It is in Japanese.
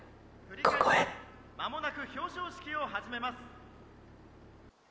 ここへ「間もなく表彰式を始めます」。